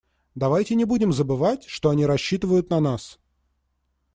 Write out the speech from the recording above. Давайте не будем забывать, что они рассчитывают на нас.